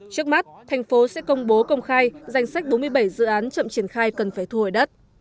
trước mắt thành phố sẽ công bố công khai danh sách bốn mươi bảy dự án chậm triển khai cần phải thu hồi đất